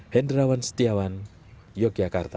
hendrawan setiawan yogyakarta